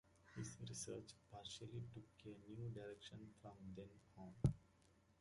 His research partially took a new direction from then on.